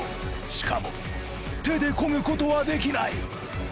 しかも手でこぐことはできない。